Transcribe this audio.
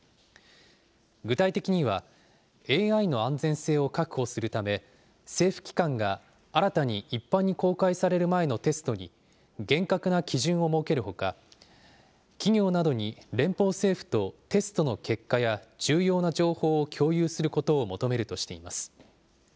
具体的には、ＡＩの安全性を確保するため、政府機関が新たに一般に公開される前のテストに厳格な基準を設けるほか、企業などに連邦政府とテストの結果や重要な情報を共有することを求めるとしています。